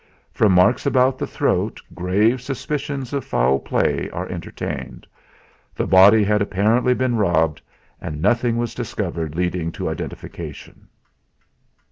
From marks about the throat grave suspicions of foul play are entertained. The body had apparently been robbed, and nothing was discovered leading to identification."